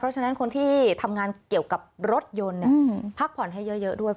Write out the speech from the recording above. เพราะฉะนั้นคนที่ทำงานเกี่ยวกับรถยนต์พักผ่อนให้เยอะด้วย